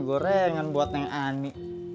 gorengan buat yang ani